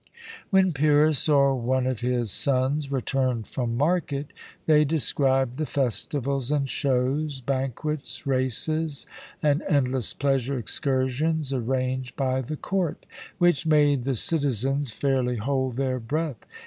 When Pyrrhus or one of his sons returned from market they described the festivals and shows, banquets, races, and endless pleasure excursions arranged by the court, which made the citizens fairly hold their breath.